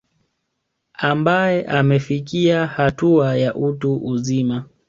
Ambae amefikia hatua ya utu uzima